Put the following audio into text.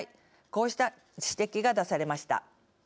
こうした指摘が出されました。